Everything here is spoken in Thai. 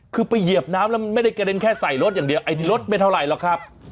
คือไปเหยียบน้ำแล้วมันไม่ได้กระเด็นแค่ใส่รถอย่างเดียวไอ้รถไม่เท่าไหร่หรอกครับ